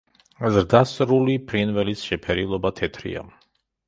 ზრდასრული ფრინველის შეფერილობა თეთრია.